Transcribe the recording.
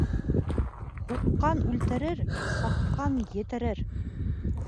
Һуҡҡан үлтерер, саҡҡан етерер.